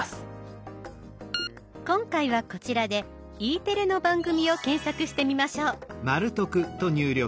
今回はこちらでＥテレの番組を検索してみましょう。